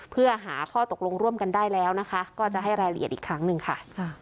เพื่อหาข้อตกลงร่วมกันได้แล้วนะคะก็จะให้รายละเอียดอีกครั้งหนึ่งค่ะ